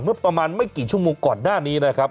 เมื่อประมาณไม่กี่ชั่วโมงก่อนหน้านี้นะครับ